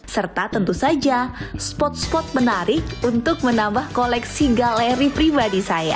serta tentu saja spot spot menarik untuk menambah koleksi galeri pribadi saya